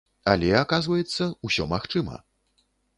Але, аказваецца, усё магчыма.